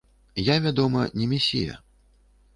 Я, вядома, не месія.